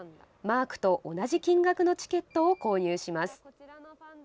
マークと同じ金額のチケットを購入します。